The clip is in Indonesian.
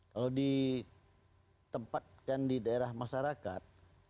kalau ditempatkan di daerah masyarakat